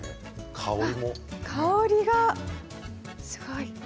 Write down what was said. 香りがすごい。